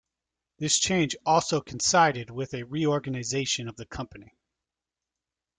This change also coincided with a reorganization of the company.